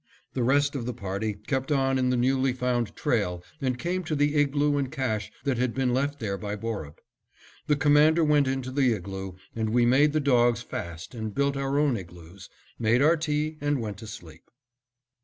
The rest of the party kept on in the newly found trail and came to the igloo and cache that had been left there by Borup. The Commander went into the igloo, and we made the dogs fast and built our own igloos, made our tea and went to sleep.